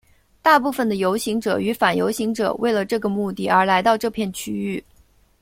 大部分的游行者与反游行者为了这个目的而来到这片区域。